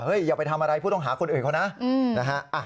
เฮ้ยอย่าไปทำอะไรผู้ต้องหาคนอื่นเขานะ